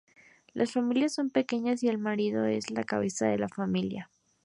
Las familias son pequeñas, y el marido es el cabeza de familia.